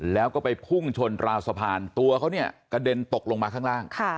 แล้วก็ไปพุ่งชนราวสะพานตัวเขาเนี่ยกระเด็นตกลงมาข้างล่าง